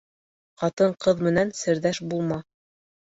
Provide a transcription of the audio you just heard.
Ҡатын-ҡыҙ менән серҙәш булма.